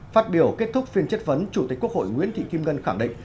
phát biểu kết thúc phiên chất vấn chủ tịch quốc hội nguyễn thị kim ngân khẳng định